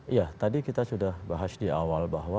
iya tadi kita sudah bahas di awal bahwa